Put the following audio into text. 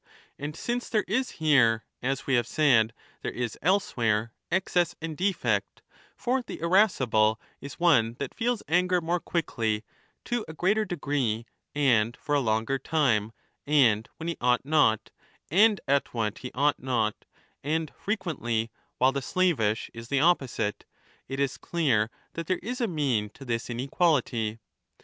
And since there is here, as we have said^ there is elsewhere, excess and defect — for the irascible is one that feels anger more quickly, to a greater degree, and for a longer time, and when he ought not, and at what he ought not, and frequently, while the slavish is the opposite — it is 20 clear that there is a mean to this inequality.